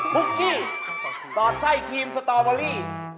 คุกกี้สอดไส้ครีมสตอเบอรี่